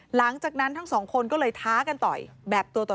หลังจากนั้นทั้งสองคนก็เลยท้ากันต่อยแบบตัวต่อ